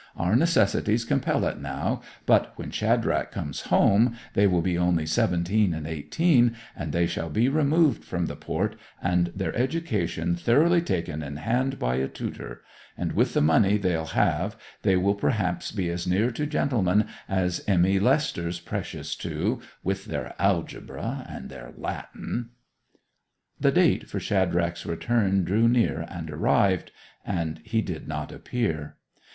'Our necessities compel it now, but when Shadrach comes home they will be only seventeen and eighteen, and they shall be removed from the port, and their education thoroughly taken in hand by a tutor; and with the money they'll have they will perhaps be as near to gentlemen as Emmy Lester's precious two, with their algebra and their Latin!' The date for Shadrach's return drew near and arrived, and he did not appear.